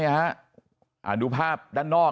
นี่คุณตูนอายุ๓๗ปีนะครับ